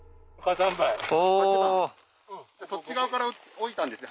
そっち側から置いたんですね